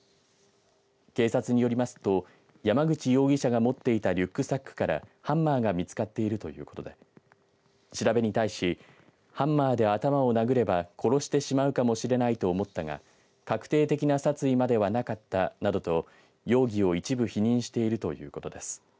警察によりますと山口容疑者が持っていたリュックサックからハンマーが見つかっているということで調べに対しハンマーで頭を殴れば殺してしまうかもしれないと思ったが確定的な殺意まではなかったんなどと容疑を一部否認しているということです。